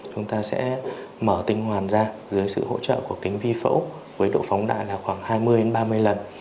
chúng ta sẽ mở tinh hoàn ra dưới sự hỗ trợ của kính vi phẫu với độ phóng đại là khoảng hai mươi ba mươi lần